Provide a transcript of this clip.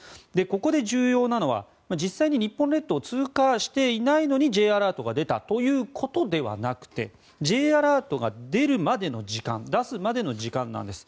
ここで重要なのは実際に日本列島を通過していないのにＪアラートが出たということではなくてＪアラートが出るまでの時間出すまでの時間なんです。